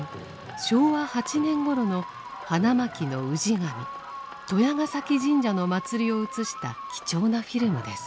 昭和８年頃の花巻の氏神鳥谷崎神社の祭りを写した貴重なフィルムです。